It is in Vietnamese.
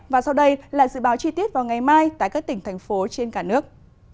và sau đây là dự báo chi tiết vào ngày mai tại các tỉnh thành phố trên cả nước